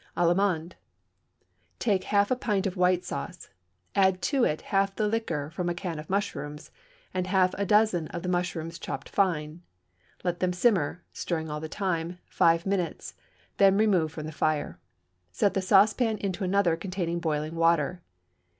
Allemande. Take half a pint of white sauce, add to it half the liquor from a can of mushrooms, and half a dozen of the mushrooms chopped fine. Let them simmer stirring all the time five minutes, then remove from the fire. Set the saucepan into another containing boiling water.